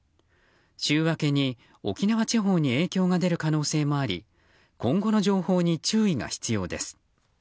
週明けに沖縄地方に影響が出る可能性もあり今後の情報に注意が必要です。